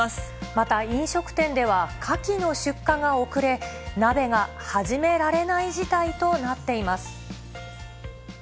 また、飲食店では、カキの出荷が遅れ、鍋が始められない事態となっています。